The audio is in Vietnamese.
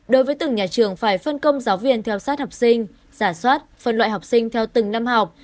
đối với từng nhà trường phải phân công giáo viên theo sát học sinh giả soát phân loại học sinh theo từng năm học